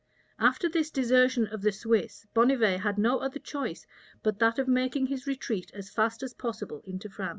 [*] After this desertion of the Swiss, Bonnivet had no other choice but that of making his retreat as fast as possible into France.